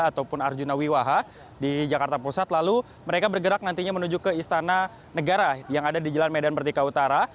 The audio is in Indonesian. ataupun arjuna wiwaha di jakarta pusat lalu mereka bergerak nantinya menuju ke istana negara yang ada di jalan medan merdeka utara